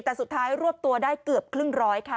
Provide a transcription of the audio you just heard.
แต่สุดท้ายรวบตัวได้เกือบครึ่งร้อยค่ะ